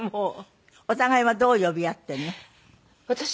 お互いはどう呼び合っているの？